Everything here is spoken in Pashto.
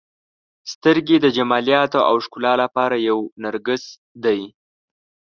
• سترګې د جمالیاتو او ښکلا لپاره یو نرګس دی.